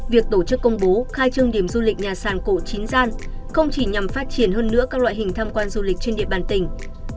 việc tổ chức công bố khai trương điểm du lịch nhà sàn cổ chín gian không chỉ nhằm phát triển hơn nữa các loại hình tham quan du lịch trên địa bàn tỉnh